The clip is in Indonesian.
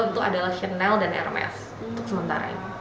itu adalah chanel dan hermes untuk sementara ini